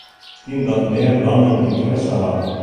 Miskien dat mear lannen ynteresse ha.